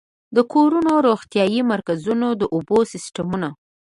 د کورونو، روغتيايي مرکزونو، د اوبو سيستمونو